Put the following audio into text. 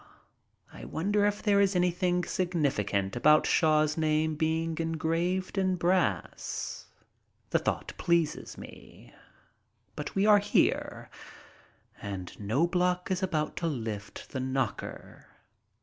I wonder if there is anything significant about Shaw's name being engraved in brass. The thought pleases me. But we are here, and Knobloch is about to lift the knocker.